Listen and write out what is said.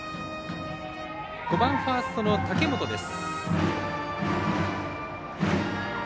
５番、ファーストの武本です。